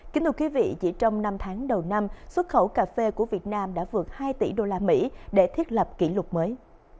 kính thưa quý vị chỉ trong năm tháng đầu năm xuất khẩu cà phê của việt nam đã vượt hai tỷ usd để thiết lập kỷ lục mới